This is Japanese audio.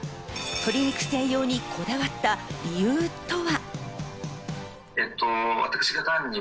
鶏肉専用にこだわった理由とは。